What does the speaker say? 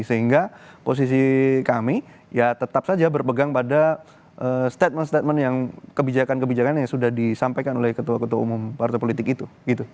sehingga posisi kami ya tetap saja berpegang pada statement statement yang kebijakan kebijakan yang sudah disampaikan oleh ketua ketua umum partai politik itu